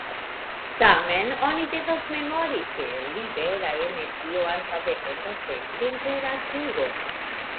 Tamen, oni devas memori ke libera energio ankaŭ dependas de temperaturo.